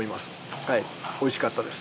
はい美味しかったです。